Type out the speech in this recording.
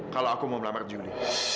kalau aku mau melamar juni